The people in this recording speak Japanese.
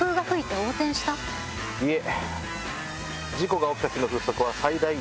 いえ。